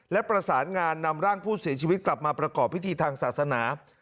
และประสานงานนำร่างผู้เสียชีวิตกลับมาประกอบพิธีทางศาสนา